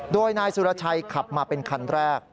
โดยนายสุรชัยขับมาเป็นคันแรก